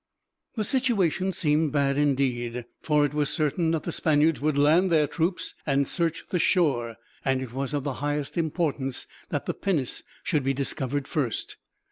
The situation seemed bad, indeed, for it was certain that the Spaniards would land their troops and search the shore; and it was of the highest importance that the pinnace should be discovered first.